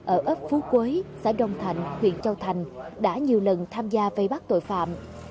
ở ớp phú quế xã đông thành huyện châu thành đã nhiều lần tham gia vây bắt tội phạm